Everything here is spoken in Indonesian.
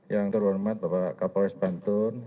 yang terhormat bapak kapolres bantun